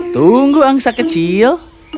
tunggu angsa kecil